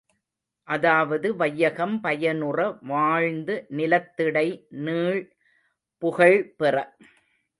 அதாவது வையகம் பயனுற வாழ்ந்து நிலத்திடை நீள்புகழ்பெற.